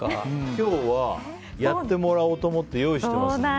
今日はやってもらおうと思って用意してますので。